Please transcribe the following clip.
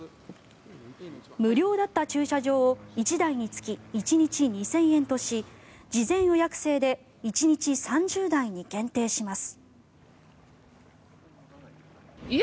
無料だった駐車場を１台につき１日２０００円とし事前予約制で１日３０台に限定します。